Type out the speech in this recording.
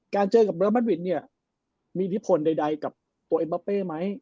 เจอกับเลอร์มัดวิดเนี่ยมีอิทธิพลใดกับตัวเอ็มบาเป้ไหม